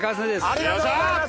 ありがとうございます！